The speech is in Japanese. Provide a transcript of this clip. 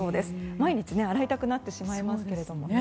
毎日洗いたくなってしまいますけれどもね。